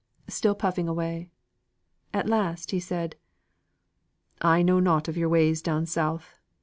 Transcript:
Still puffing away. At last he said: "I know nought of your ways down South.